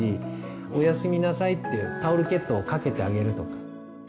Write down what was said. おやすみなさいってタオルケットをかけてあげるとか。